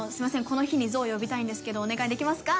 この日にゾウ呼びたいんですけどお願いできますか？」